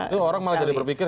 itu orang malah jadi berpikir